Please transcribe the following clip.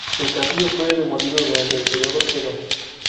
El castillo fue demolido durante el periodo Edo.